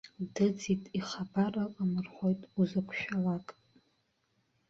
Дыӡит, ихабар ыҟам рҳәоит узықәшәалак.